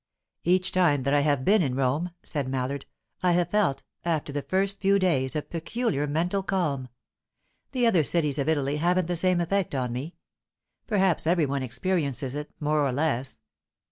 "Each time that I have been in Rome," said Mallard, "I have felt, after the first few days, a peculiar mental calm. The other cities of Italy haven't the same effect on me. Perhaps every one experiences it, more or less.